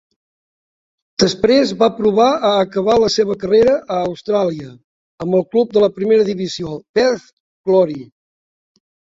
Després va provar a acabar la seva carrera a Austràlia amb el club de la primera divisió Perth Glory.